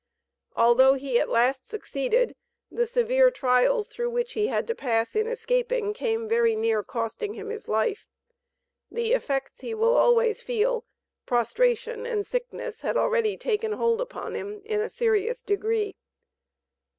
Although he at last succeeded, the severe trials through which he had to pass in escaping, came very near costing him his life. The effects he will always feel; prostration and sickness had already taken hold upon him in a serious degree.